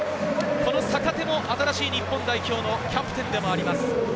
この坂手も新しい日本代表のキャプテンでもあります。